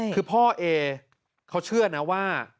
คือพ่อเอเขาเชื่อนะว่า